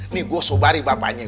nih gue sobari bapaknya